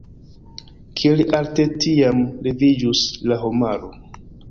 Kiel alte tiam leviĝus la homaro!